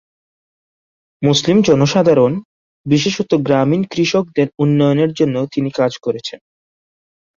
মুসলিম জনসাধারণ, বিশেষত গ্রামীণ কৃষকদের উন্নয়নের জন্য তিনি কাজ করেছেন।